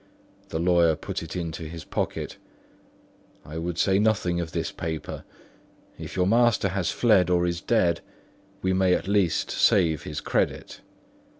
The lawyer put it in his pocket. "I would say nothing of this paper. If your master has fled or is dead, we may at least save his credit.